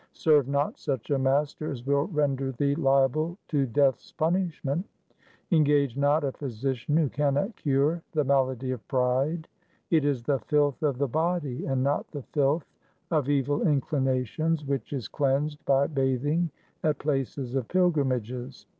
Serve not such a master as will render thee liable to Death's punishment. Engage not a physician who cannot cure the malady of pride. It is the filth of the body and not the filth of evil inclinations which is cleansed by bathing at places of pilgrimages.